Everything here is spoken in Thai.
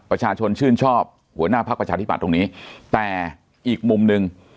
ประชาชนชื่นชอบหัวหน้าพักประชาธิบัตย์ตรงนี้แต่อีกมุมหนึ่ง